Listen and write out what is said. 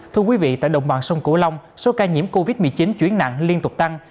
thưa quý vị tại đồng bằng sông cửu long số ca nhiễm covid một mươi chín chuyển nặng liên tục tăng